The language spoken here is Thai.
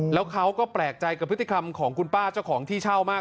แล้วเขาก็แปลกใจกับพฤติกรรมของคุณป้าเจ้าของที่เช่ามาก